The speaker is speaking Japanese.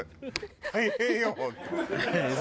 大変よ本当。